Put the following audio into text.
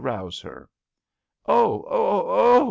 rouse her. " Oh, oh, oh